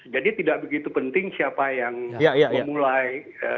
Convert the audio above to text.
jadi tidak begitu penting siapa yang memulai